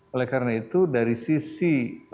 oleh karena itu dari sisi